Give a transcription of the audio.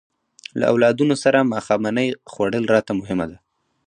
له اولادونو سره ماښامنۍ خوړل راته مهمه ده.